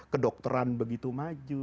kedokteran begitu maju